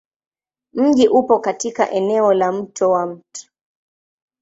Mji upo katika eneo la Mto wa Mt.